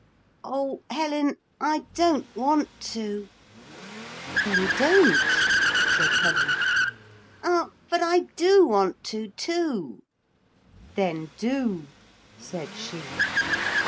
'Oh, Helen, I don't want to.' 'Then don't,' said Helen. 'Ah, but I do want to, too.' 'Then do,' said she.